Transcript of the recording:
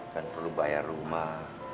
kan perlu bayar rumah